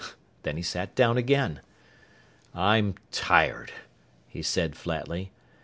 Then he sat down again. "I'm tired!" he said flatly.